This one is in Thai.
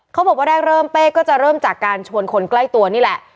เขาบอกว่าแรกเริ่มเป้ก็จะเริ่มจากการชวนคนใกล้ตัวนี่แหละ